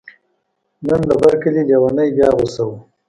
نن د بر کلي لیونی بیا غوسه و